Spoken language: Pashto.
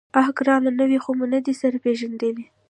_اه ګرانه! نوي خو مو نه دي سره پېژندلي.